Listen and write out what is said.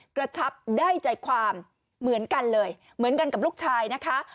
กระชับได้ใจความเหมือนกันเลยเหมือนกันกับลูกชายนะคะ